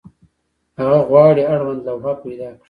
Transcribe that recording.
هغه غواړي اړوند لوحه پیدا کړي.